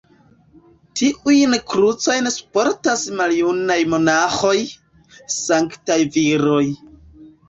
Tiujn krucojn surportas maljunaj monaĥoj, sanktaj viroj.